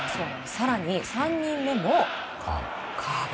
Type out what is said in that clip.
更に、３人目もカーブ。